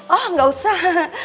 oh gak usah